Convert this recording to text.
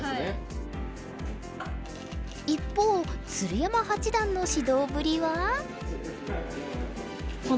一方鶴山八段の指導ぶりは？